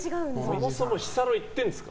そもそも日サロ行ってるんですか。